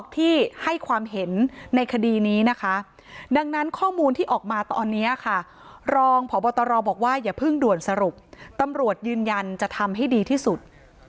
ที่ให้ความเห็นในคดีนี้นะคะดังนั้นข้อมูลที่ออกมาตอนนี้ค่ะรองพบตรบอกว่าอย่าเพิ่งด่วนสรุปตำรวจยืนยันจะทำให้ดีที่สุด